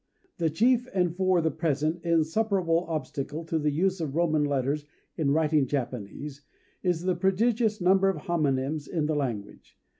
The chief, and, for the present, insuperable obstacle to the use of Roman letters in writing Japanese, is the prodigious number of homonyms in the language.